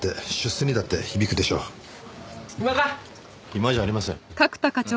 暇じゃありません。